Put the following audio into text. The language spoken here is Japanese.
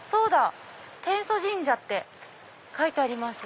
「天祖神社」って書いてあります。